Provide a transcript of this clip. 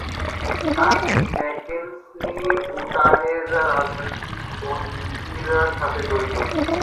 আজ ম্যাকেচনি উটাহের রাজনীতি ও নীতির সাথে জড়িত।